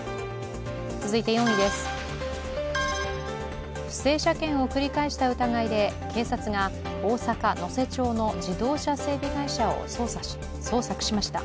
続いて４位です、不正車検を繰り返した疑いで警察が大阪・能勢町の自動車整備会社を捜索しました。